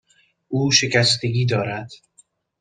او شکستگی دارد.